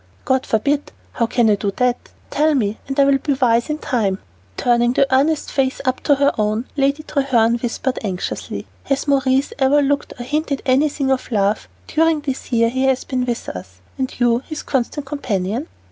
"God forbid! How can I do that? Tell me, and I will be wise in time." Turning the earnest face up to her own, Lady Treherne whispered anxiously, "Has Maurice ever looked or hinted anything of love during this year he has been with us, and you his constant companion?"